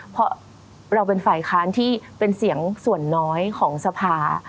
เพราะเราเป็นฝ่ายค้านที่เป็นเสียงส่วนน้อยของสภา